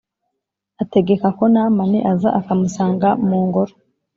Ategekako namani aza akamusanga mungoro